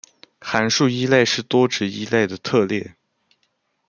函数依赖是多值依赖的特例。